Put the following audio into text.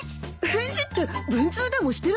返事って文通でもしてるの？